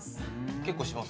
結構します？